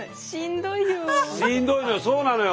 しんどいのよそうなのよ。